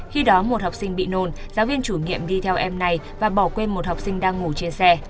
khi đó một học sinh bị nôn giáo viên chủ nghiệm đi theo em này và bỏ quên một học sinh đang ngủ trên xe